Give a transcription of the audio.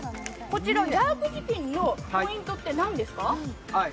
こちらジャークチキンのポイントって何ですか？